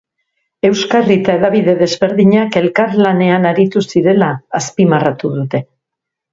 Euskarri eta hedabide desberdinak elkarlanean aritu zirela azpimarratu dute.